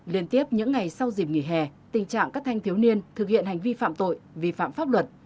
liên tiếp những ngày sau dịp nghỉ hè tình trạng các thanh thiếu niên thực hiện hành vi phạm tội vi phạm pháp luật